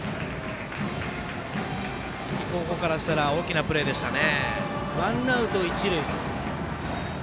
氷見高校からしたら大きなプレーでしたね。